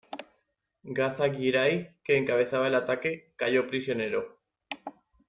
Gaza Giray, que encabezaba el ataque, cayó prisionero.